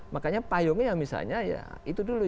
makanya payungnya misalnya ya itu dulu